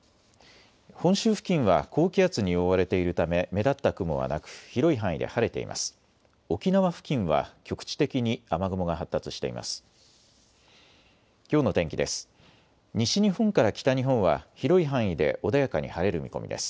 本州付近は高気圧に覆われているため目立った雲はなく広い範囲で晴れています。